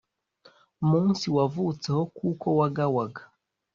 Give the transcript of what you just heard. munsi wavutseho kuko wagawaga